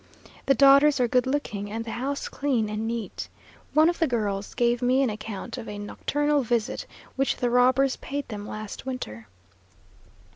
The daughters are good looking, and the house clean and neat. One of the girls gave me an account of a nocturnal visit which the robbers paid them last winter.